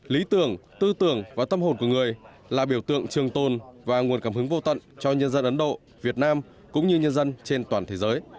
lý tưởng tư tưởng và tâm hồn của người là biểu tượng trường tồn và nguồn cảm hứng vô tận cho nhân dân ấn độ việt nam cũng như nhân dân trên toàn thế giới